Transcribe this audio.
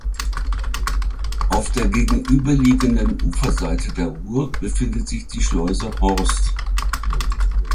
Auf der gegenüberliegenden Uferseite der Ruhr befindet sich die Schleuse Horst.